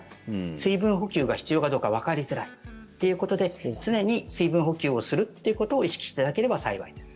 水分補給が必要かどうかわかりづらいっていうことで常に水分補給をするってことを意識していただければ幸いです。